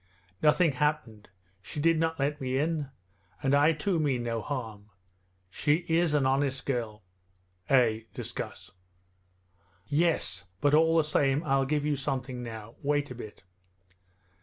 'Nothing happened, she did not let me in, and I too mean no harm. She is an honest girl ' 'Eh, discuss ' 'Yes, but all the same I'll give you something now. Wait a bit!'